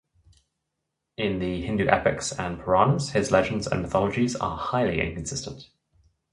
In the Hindu Epics and Puranas, his legends and mythologies are highly inconsistent.